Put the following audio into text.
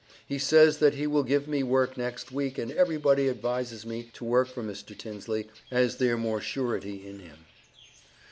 He says that he will give me work next week and everybody advises me to work for Mr. Tinsly as there more surity in him.